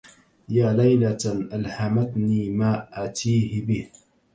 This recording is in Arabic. يا ليلة ألهمتني ما أتيه به